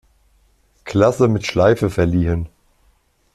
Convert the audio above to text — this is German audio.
Klasse mit Schleife verliehen.